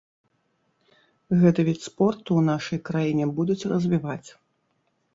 Гэты від спорту ў нашай краіне будуць развіваць.